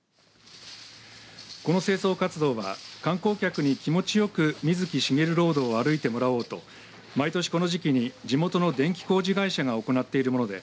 この清掃活動は観光客に気持ちよく水木しげるロードを歩いてもらおうと毎年この時期に地元の電気工事会社が行っているもので